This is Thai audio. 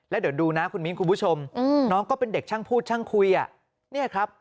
แล้วเดี๋ยวดูนะคุณมิ้นคุณผู้ชมน้องก็เป็นเด็กช่างพูดช่างคุยอ่ะเนี่ยครับ